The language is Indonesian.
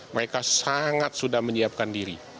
mereka sangat sudah menyiapkan diri